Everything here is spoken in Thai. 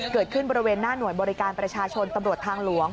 เกิดขึ้นบริเวณหน้าหน่วยบริการประชาชนตำรวจทางหลวง